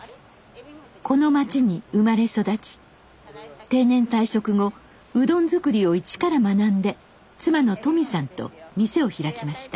この町に生まれ育ち定年退職後うどん作りを一から学んで妻の斗実さんと店を開きました。